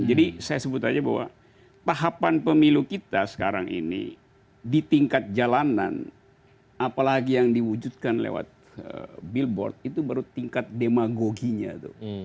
jadi saya sebut aja bahwa pahapan pemilu kita sekarang ini di tingkat jalanan apalagi yang diwujudkan lewat billboard itu baru tingkat demagoginya tuh